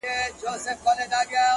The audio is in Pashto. د ژوند مانا په اغېز کې ده